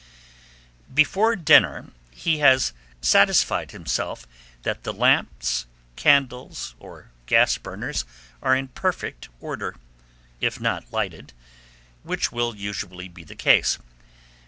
Before dinner, he has satisfied himself that the lamps, candles, or gas burners are in perfect order, if not lighted, which will usually be the case.